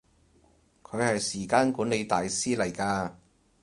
佢係時間管理大師嚟㗎